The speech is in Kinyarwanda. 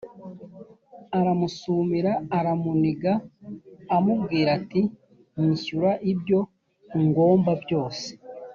aramusumira aramuniga amubwira ati nyishyura ibyo ungomba byose